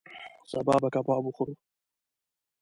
سبا به کباب وخورو